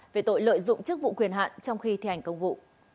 về tội lợi dụng chức vụ quyền hạn trong khi thi hành công vụ